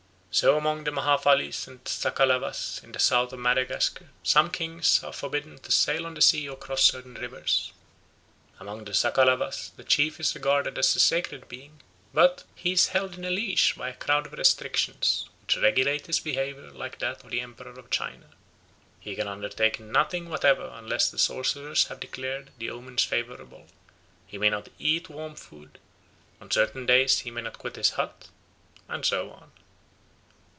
So among the Mahafalys and Sakalavas in the south of Madagascar some kings are forbidden to sail on the sea or to cross certain rivers. Among the Sakalavas the chief is regarded as a sacred being, but "he is held in leash by a crowd of restrictions, which regulate his behaviour like that of the emperor of China. He can undertake nothing whatever unless the sorcerers have declared the omens favourable; he may not eat warm food: on certain days he may not quit his hut; and so on."